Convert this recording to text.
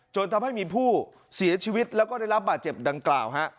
จนทำให้มีผู้เสียชีวิตแล้วก็ได้รับบาดเจ็บดังกล่าว